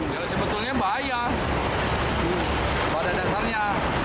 ya sebetulnya bahaya pada dasarnya